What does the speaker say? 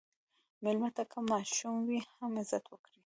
مېلمه ته که ماشوم وي، هم عزت ورکړه.